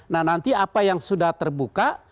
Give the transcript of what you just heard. nah nanti apa yang sudah terbuka